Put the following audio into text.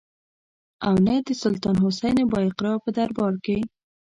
او نه د سلطان حسین بایقرا په دربار کې.